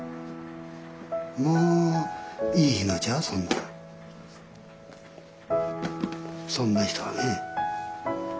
もういいひんのちゃうそんなそんな人はね。